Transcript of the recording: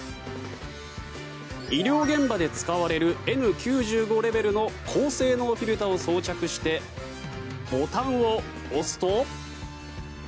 医療現場で使われるＮ９５レベルの高性能フィルターを装着してボタンを押すと。